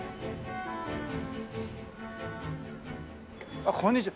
あっこんにちは。